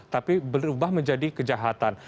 tapi berubah menjadi kejahatan